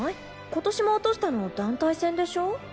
今年も落としたの団体戦でしょ？